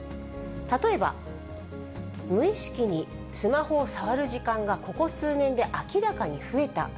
例えば、無意識にスマホを触る時間が、ここ数年で、明らかに増えた。